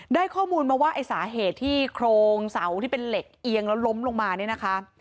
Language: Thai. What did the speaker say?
ได้ข้อมูลมาว่าไอ้สาเหตุที่โครงเสาที่เป็นเหล็กเอียงแล้วล้มลงมาเนี่ยนะคะ